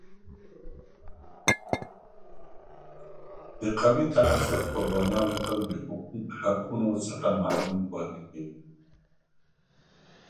د قومي تعصب قربانیان تل د حقونو څخه محروم پاتې کېږي.